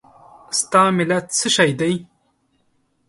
ستا ملت څه شی دی؟